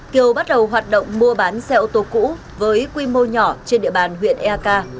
kiều bắt đầu hoạt động mua bán xe ô tô cũ với quy mô nhỏ trên địa bàn huyện eak